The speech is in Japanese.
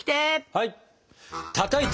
はい。